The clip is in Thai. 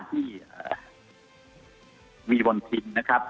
มี๑ที่นะครับ